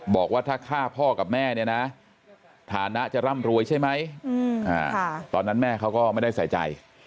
บอกว่าถ้าฆ่าพ่อกับแม่เนี่ยนะฐานะจะร่ำรวยใช่ไหมตอนนั้นแม่เขาก็ไม่ได้ใส่ใจ